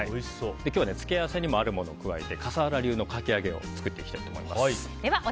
今日は付け合わせにもあるものを加えて笠原流のかき揚げを作っていきたいと思います。